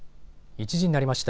１時になりました。